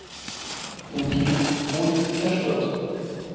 Im Krieg wurde sie zerstört.